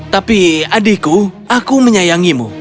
tapi adikku aku menyayangimu